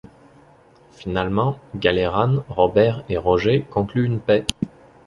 Finalement, Galeran, Robert et Roger concluent une paix.